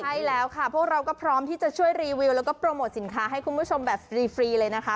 ใช่แล้วค่ะพวกเราก็พร้อมที่จะช่วยรีวิวแล้วก็โปรโมทสินค้าให้คุณผู้ชมแบบฟรีเลยนะคะ